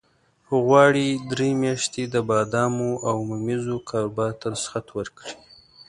غواړي درې میاشتې د بادامو او ممیزو کاروبار ته رخصت ورکړي.